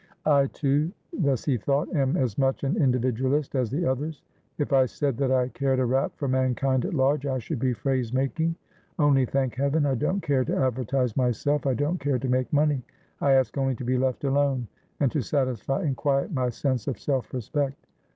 "I, too," thus he thought, "am as much an individualist as the others. If I said that I cared a rap for mankind at large, I should be phrase making. Only, thank heaven! I don't care to advertise myself, I don't care to make money. I ask only to be left alone, and to satisfy in quiet my sense of self respect."